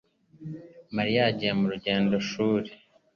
Mariya yagiye mu rugendo shuri